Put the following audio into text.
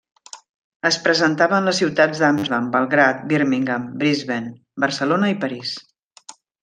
Es presentaven les ciutats d'Amsterdam, Belgrad, Birmingham, Brisbane, Barcelona i París.